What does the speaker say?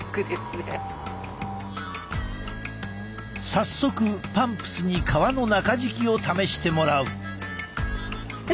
早速パンプスに革の中敷きを試してもらう。